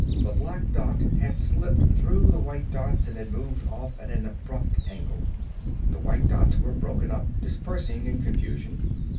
The black dot had slipped through the white dots and had moved off at an abrupt angle. The white dots were broken up, dispersing in confusion.